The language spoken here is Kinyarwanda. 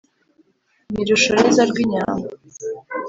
Ni rushorezo rw'inyambo